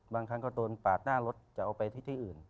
บางครั้งก็โดนปาดหน้ารถจะเอาไปที่อื่น